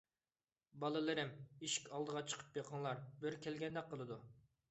بالىلىرىم، ئىشىك ئالدىغا چىقىپ بېقىڭلار، بىرى كەلگەندەك قىلىدۇ.